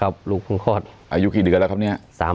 อายุกี่เดือนแล้วครับ